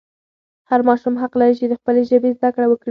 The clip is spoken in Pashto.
هر ماشوم حق لري چې د خپلې ژبې زده کړه وکړي.